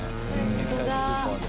エキサイトスーパー」で。